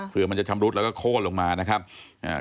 เพื่อมันจะแล้วก็โคลดลงมานะครับอ่า